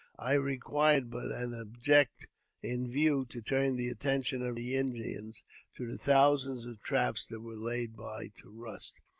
I required but an object in view to turn the attention of the Indians to the thousands of traps that were laid by to rust.